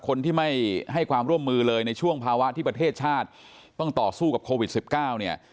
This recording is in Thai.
คนที่ไม่ให้ความร่วมมือเลยในช่วงภาวะที่ประเทศชาติต้องต่อสู้กับโควิด๑๙เนี่ย